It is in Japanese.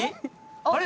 あれ？